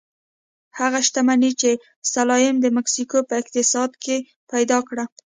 هغه شتمني چې سلایم د مکسیکو په اقتصاد کې پیدا کړه.